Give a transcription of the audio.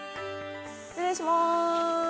失礼します。